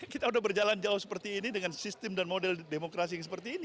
kita sudah berjalan jauh seperti ini dengan sistem dan model demokrasi yang seperti ini